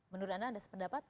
menurut anda ada sependapat